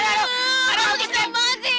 aduh kenapa kamu sakit